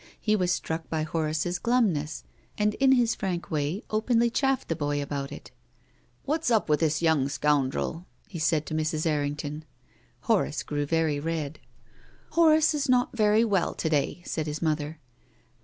He was struck by Horace's glumness, and in his frank way openly chaffed the boy about it. "What's up with this young scoundrel?" he said to Mrs. Errington. Horace grew very red. " Horace is not very well to day," said his mother.